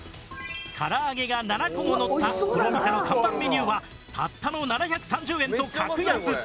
唐揚げが７個ものったこの店の看板メニューはたったの７３０円と格安。